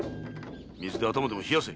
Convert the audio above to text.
水で頭でも冷やせ！